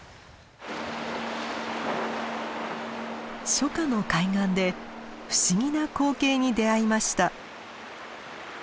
初夏の海岸で不思議な光景に出会いました。